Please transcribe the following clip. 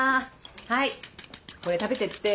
はいこれ食べてって。